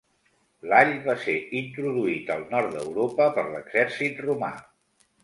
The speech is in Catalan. L'all va ser introduït al nord d'Europa per l'exèrcit romà.